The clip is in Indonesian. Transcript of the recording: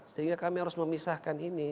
sehingga kami harus memisahkan ini